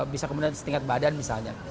bisa kemudian setingkat badan misalnya